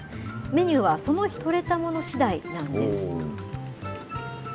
メニューは、その日取れたものしだいなんです。